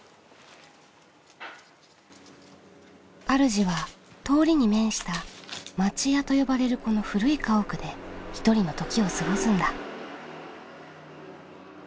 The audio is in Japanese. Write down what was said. あるじは通りに面した町家と呼ばれるこの古い家屋で１人の時を過ごすんだ。